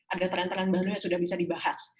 ada tren tren baru yang sudah bisa dibahas